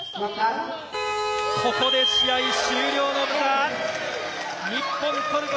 ここで試合終了のブザー。